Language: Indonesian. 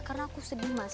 karena aku sedih mas